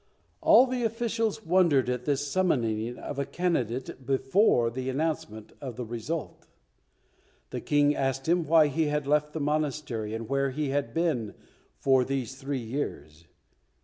All the officials wondered at this summoning of a candidate before the announcement of the result. The King asked him why he had left the monastery and where he had been for these three years.